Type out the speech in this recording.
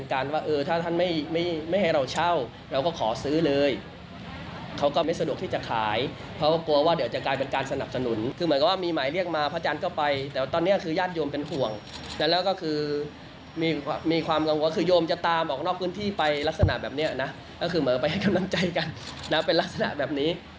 ก็คือเหมือนไปให้กำลังใจกันนะเป็นลักษณะแบบนี้